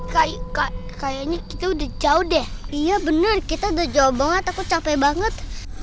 kayaknya itu udah jauh deh iya benar kita udah jauh banget aku capek banget